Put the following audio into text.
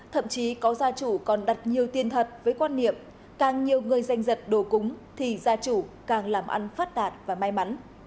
thậm chí có gia chủ còn đặt nhiều tiền thật với quan niệm càng nhiều người danh dật đồ cúng thì gia chủ càng làm ăn phát đạt và may mắn